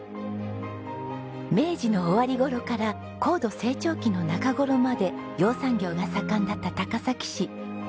明治の終わり頃から高度成長期の中頃まで養蚕業が盛んだった高崎市。